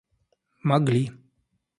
могли